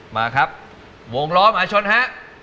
มาครับวงล้อมหาชนฮะ